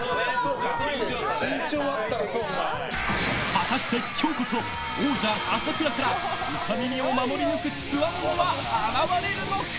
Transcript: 果たして今日こそ王者・朝倉からウサ耳を守り抜くつわものは現れるのか。